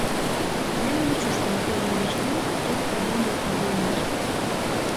Я не лічу, што на кожную вечарынку трэба прыдумваць новую назву.